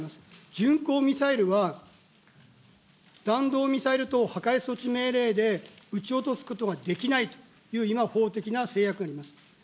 巡航ミサイルは、弾道ミサイル等破壊措置命令で撃ち落とすことができないという、今、法的な制約があります。